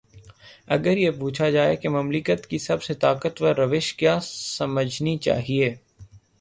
اگر یہ پوچھا جائے کہ مملکت کی سب سے طاقتور روش کیا سمجھنی چاہیے۔